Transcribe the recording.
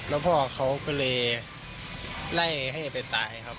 แล้วพ่อเขาก็เลยไล่ให้ไปตายครับ